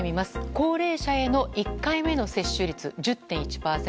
高齢者への１回目の接種率１０．１％。